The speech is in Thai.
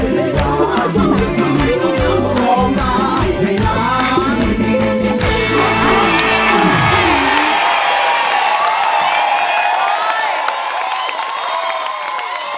มูลค่า๔หมื่นบาท